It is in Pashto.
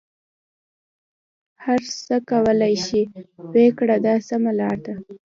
هر څه کولای شې ویې کړه دا سمه لاره ده.